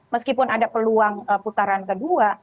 meskipun ada peluang putaran kedua